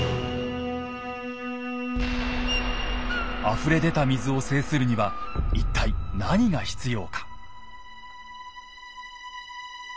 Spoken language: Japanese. あふれ出た水を制するには一体何が必要か。